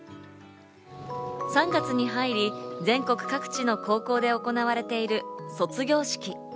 ３月に入り、全国各地の高校で行われている卒業式。